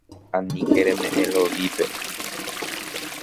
Aníke reme'ẽ Lovípe.